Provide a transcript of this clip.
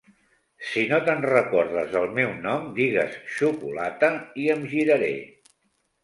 Si no te'n recordes del meu nom, digues "xocolata" i em giraré.